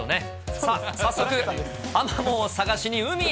さあ、早速、アマモを探しに海へ。